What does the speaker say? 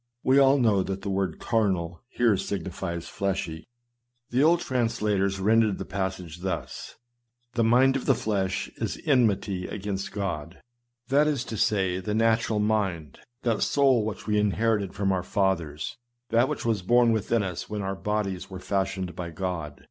We all know that the word " carnal " here signifies fleshly. The old trans lators rendered the passage thus :" The mind of the flesh is enmity against God " — that is to say, the nat ural rmnd, that soul which we inherit from our fathers, that which was born within us when our bodies were fashioned by God.